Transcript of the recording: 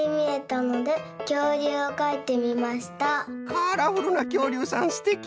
カラフルなきょうりゅうさんすてき。